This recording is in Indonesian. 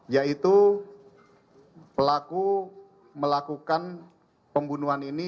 yaitu pelaku melakukan pembunuhan ini